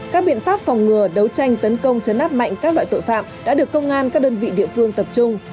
các biện pháp phòng ngừa đấu tranh tấn công chấn áp mạnh các loại tội phạm đã được công an các đơn vị địa phương tập trung